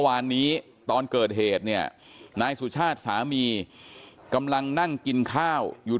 วานนี้ตอนเกิดเหตุเนี่ยนายสุชาติสามีกำลังนั่งกินข้าวอยู่